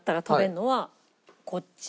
こっち。